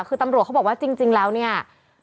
คือตำรวจเขาบอกว่าจริงแล้วเนี่ย